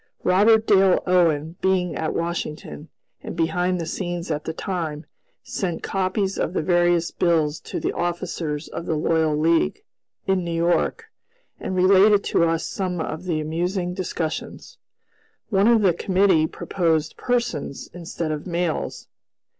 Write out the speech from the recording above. Robert Dale Owen being at Washington, and behind the scenes at the time, sent copies of the various bills to the officers of the Loyal League, in New York, and related to us some of the amusing discussions. One of the committee proposed "persons" instead of "males."